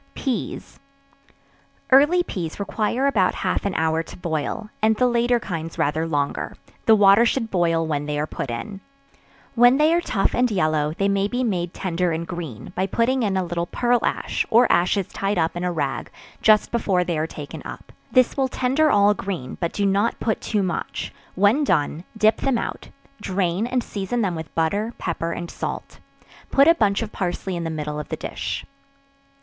Peas. Early peas require about half an hour to boil, and the later kinds rather longer; the water should boil when they are put in; when they are tough and yellow, they may be made tender and green, by putting in a little pearl ash, or ashes tied up in a rag, just before they are taken up; this will tender all green but do not put too much when done, dip them out: drain and season them with butter, pepper and salt; put a bunch of parsley in the middle of the dish.